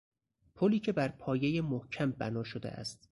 پلی که بر پایه محکم بنا شده است